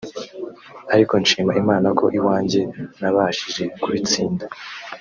ariko nshima Imana ko iwanjye nabashije kubitsinda